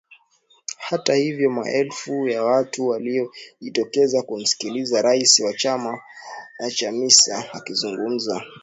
Hata hivyo maelfu ya watu waliojitokeza kumsikiliza rais wa chama Chamisa akizungumza.